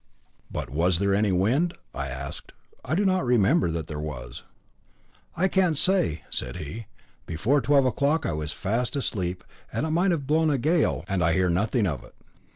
"But was there any wind?" I asked. "I do not remember that there was." "I can't say," said he; "before twelve o'clock I was fast asleep, and it might have blown a gale and I hear nothing of it."